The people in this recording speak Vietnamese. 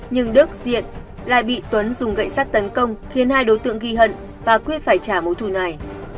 nhưng đức diện lại bị tuấn dùng gậy sắt tấn công khiến hai đối tượng ghi hận và quyết phải trả mối thủ này